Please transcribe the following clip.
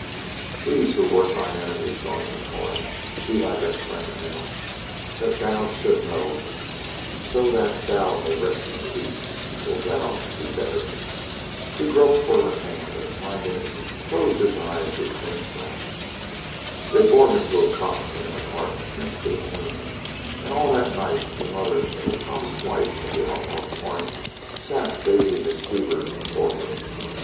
These who were thine enemies, Norman of Torn, be thy best friends now—that thou should know, so that thou may rest in peace until thou be better." He groped for her hand, and, finding it, closed his eyes with a faint sigh. They bore him to a cot in an apartment next the Queen's, and all that night the mother and the promised wife of the Outlaw of Torn sat bathing his fevered forehead.